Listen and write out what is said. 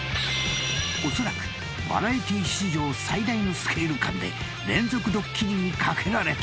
［おそらくバラエティー史上最大のスケール感で連続ドッキリにかけられたり］